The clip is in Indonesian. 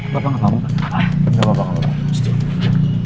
bapak bapak bapak